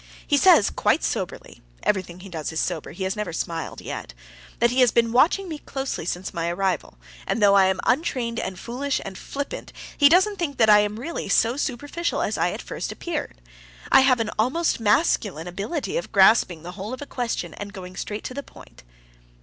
He says quite soberly (everything he does is sober; he has never smiled yet) that he has been watching me closely since my arrival, and though I am untrained and foolish and flippant, he doesn't think that I am really so superficial as I at first appeared. I have an almost masculine ability of grasping the whole of a question and going straight to the point.